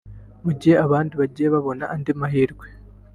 mu gihe abandi bagiye babona andi mahirwe